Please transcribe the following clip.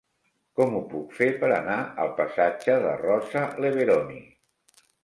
Com ho puc fer per anar al passatge de Rosa Leveroni?